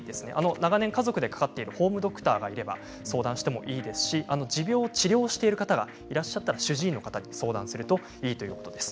長年、家族でかかっているホームドクターがいれば相談してもいいですし治療している方は主治医の方に相談するといいということです。